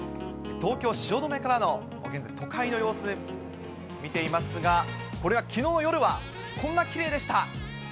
東京・汐留からの現在、都会の様子、見ていますが、これはきのう夜はこんなきれいでした。